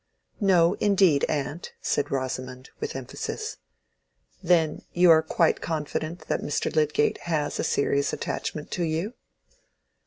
"No, indeed, aunt," said Rosamond, with emphasis. "Then you are quite confident that Mr. Lydgate has a serious attachment to you?"